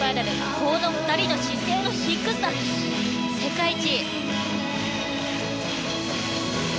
この２人の姿勢の低さ世界一。